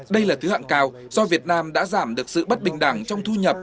đây là thứ hạng cao do việt nam đã giảm được sự bất bình đẳng trong thu nhập